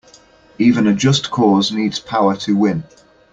Even a just cause needs power to win.